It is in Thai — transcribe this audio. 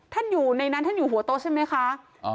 ท่านอยู่ในนั้นท่านอยู่หัวโต๊ะใช่ไหมคะ